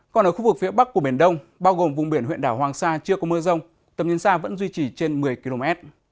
còn ở khu vực phía bắc của biển đông bao gồm vùng biển huyện đảo hoàng sa chưa có mưa rông tầm nhìn xa vẫn duy trì trên một mươi km